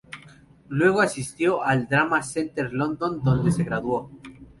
Luego asistió al Drama Centre London, donde se graduó.